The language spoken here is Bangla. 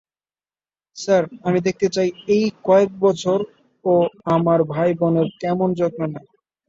স্যার, আমি দেখতে চাই এই কয়েক বছর ও আমার ভাই-বোনের কেমন যত্ন নেয়।